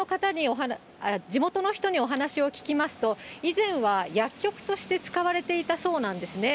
地元の人にお話を聞きますと、以前は薬局として使われていたそうなんですね。